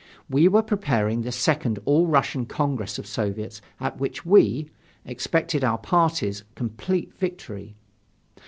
We were preparing the Second All Russian Congress of Soviets at which we: expected our party's complete victory.